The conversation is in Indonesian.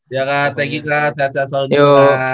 ya kak thank you kak sehat sehat selalu di kak